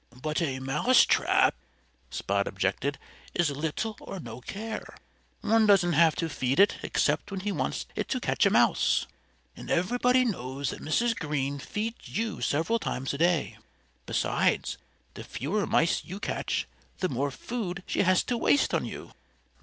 "But a mousetrap," Spot objected, "is little or no care. One doesn't have to feed it except when he wants it to catch a mouse. And everybody knows that Mrs. Green feeds you several times a day. Besides, the fewer mice you catch, the more food she has to waste on you."